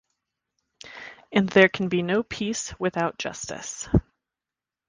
And there can be no peace without justice.